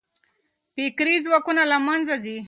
فکري ځواکونه له منځه ځي.